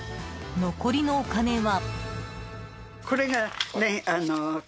残りのお金は。